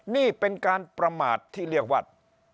นี่เป็นการประมาทที่เรียกว่า